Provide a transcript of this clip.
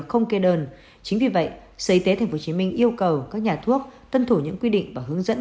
không kê đơn chính vì vậy sở y tế tp hcm yêu cầu các nhà thuốc tân thủ những quy định và hướng dẫn